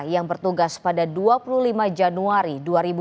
yang bertugas pada dua puluh lima januari dua ribu dua puluh